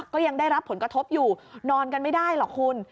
ก็ยังได้รับผลกระทบอยู่นอนกันไม่ได้หรอกคุณ